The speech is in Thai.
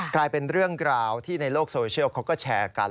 กลายเป็นเรื่องกล่าวที่ในโลกโซเชียลเขาก็แชร์กัน